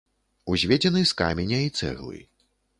Узведзены з каменя і цэглы.